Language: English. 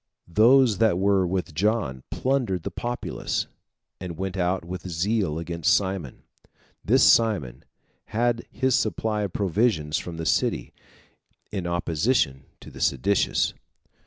Those that were with John plundered the populace, and went out with zeal against Simon. This Simon had his supply of provisions from the city, in opposition to the seditious.